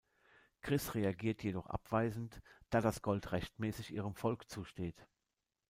Chris reagiert jedoch abweisend, da das Gold rechtmäßig ihrem Volk zusteht.